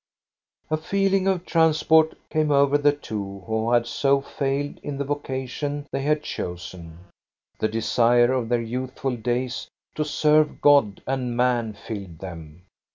A feeling of transport came over the two who had so failed in the vocation they had chosen. The desire of their youthful days to serve God and man filled them.